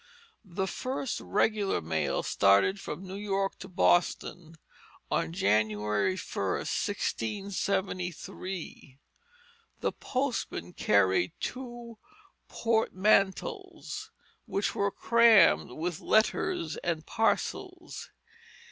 The first regular mail started from New York to Boston on January 1, 1673. The postman carried two "portmantles," which were crammed with letters and parcels.